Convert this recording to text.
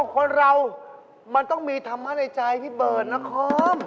คนเรามันต้องมีธรรมะในใจพี่เบิร์ดนคร